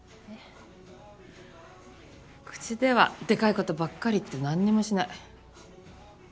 口ではデカいことばっかり言って何にもしない。